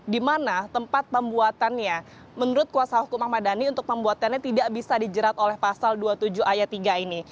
di mana tempat pembuatannya menurut kuasa hukum ahmad dhani untuk pembuatannya tidak bisa dijerat oleh pasal dua puluh tujuh ayat tiga ini